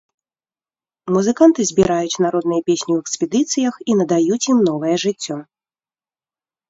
Музыканты збіраюць народныя песні ў экспедыцыях і надаюць ім новае жыццё.